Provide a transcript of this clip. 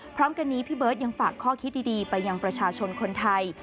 พร้อมกันนี้พี่เบิร์ตยังฝากข้อคิดดีไปยังประชาชนคนไทย